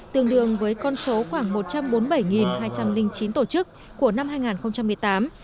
tương đương với con số khoảng một trăm bốn mươi bảy hai trăm linh chín tổ chức của năm hai nghìn một mươi tám